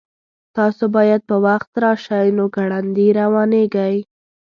تاسو باید په وخت راشئ نو ګړندي روانیږئ